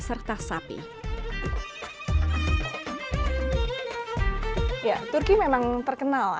ekspor nya ke seluruh dunia terutama kerusi mencapai milyaran dolar amerika pertahun ia